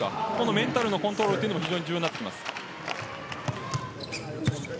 メンタルのコントロールも重要になってきます。